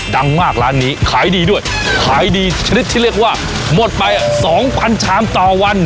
ดังมากร้านนี้ขายดีด้วยขายดีชนิดที่เรียกว่าหมดไปสองพันชามต่อวัน